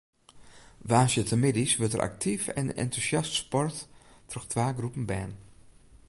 Woansdeitemiddeis wurdt der aktyf en entûsjast sport troch twa groepen bern.